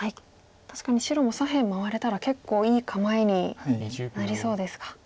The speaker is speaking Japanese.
確かに白も左辺回れたら結構いい構えになりそうですか。